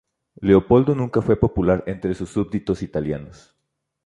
Leopoldo nunca fue popular entre sus súbditos italianos.